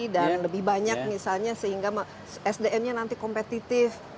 dan lebih banyak misalnya sehingga sdm nya nanti kompetitif